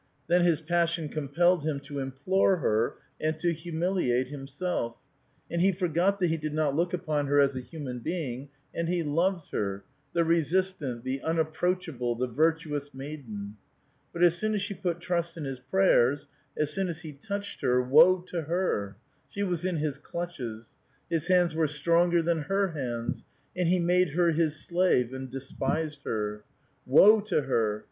Then his passion com pelled him to implore her and to humiliate himself, and he forgot that he did not look upon her as a human being, and he loved her, the resistant, the unapproachable, the virtuous maiden. But as soon as she put trust in his prayers, as soon as he touched her, — woe to her ! She was in his clutches ; his hands were stronger than her hands, and he made her his slave, and despised her. Woe to her!